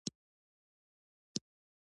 زدهکړه د هر نوي نسل دنده ده.